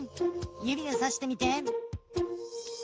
ゆびでさしてみて。